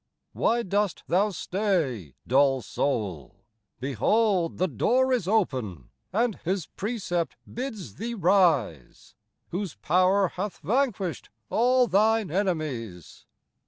Why dost thou stay, Dull soule ? Behold the doore Is open, and His precept bids thee rise, Whose power hath vanquish't all thine enemies.